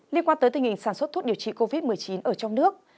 liên quan tới tình hình sản xuất thuốc điều trị covid một mươi chín ở trong nước